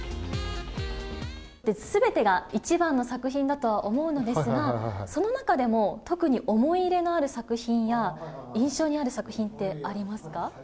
すべてが一番の作品だとは思うのですが、その中でも、特に思い入れのある作品や、印象にある作品ってありますか？